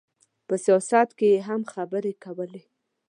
په سیاست کې یې هم خبرې کولې.